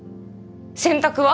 洗濯は？